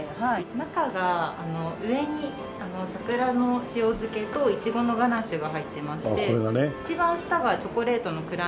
中が上に桜の塩漬けとイチゴのガナッシュが入っていまして一番下がチョコレートのクランチが。